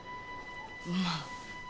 まあ。